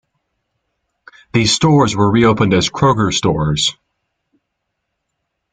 These stores were reopened as Kroger stores.